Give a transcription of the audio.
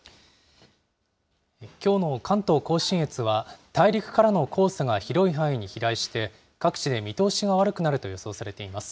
きょうの関東甲信越は、大陸からの黄砂が広い範囲に飛来して、各地で見通しが悪くなると予想されています。